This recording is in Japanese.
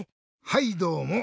はいどうも。